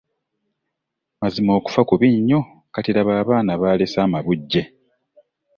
Mazima okufa kubi nnyo! Kati laba abaana b'alese amabujje!